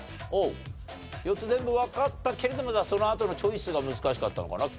４つ全部わかったけれどもそのあとのチョイスが難しかったのかな？